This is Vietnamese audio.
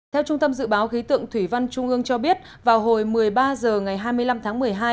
theo trung tâm dự báo khí tượng thủy văn trung ương cho biết vào hồi một mươi ba h ngày hai mươi năm tháng một mươi hai